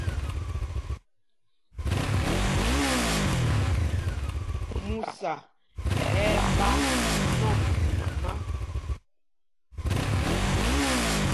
Músa ɛ́ ɛ́ ɓá nɔm mumá.